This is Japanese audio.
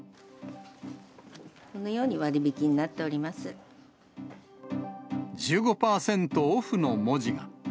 このように割引になっており１５％ＯＦＦの文字が。